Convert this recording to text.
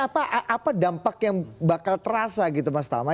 apa dampak yang bakal terasa gitu mas tama